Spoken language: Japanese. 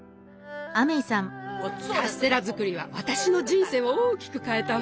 カステラ作りは私の人生を大きく変えたわ。